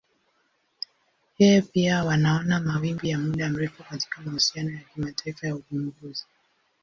Yeye pia wanaona mawimbi ya muda mrefu katika mahusiano ya kimataifa ya uvumbuzi.